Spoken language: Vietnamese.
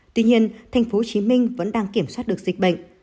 tuy nhiên tp hcm vẫn đang kiểm soát được dịch bệnh